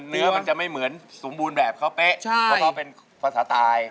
เนื้อมันจะไม่เหมือนสมบูรณ์แบบเขาเป๊ะเพราะเขาเป็นภาษาตาย